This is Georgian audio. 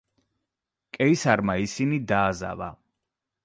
კეისარმა ისინი დააზავა.